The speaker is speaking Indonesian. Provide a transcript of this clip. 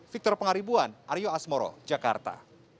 victor pengaribuan aryo asmoro jakarta